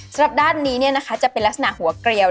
สำหรับด้านนี้จะเป็นลักษณะหัวเกลียว